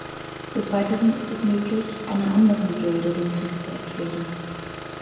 Des Weiteren ist es möglich, einer anderen Gilde den Krieg zu erklären.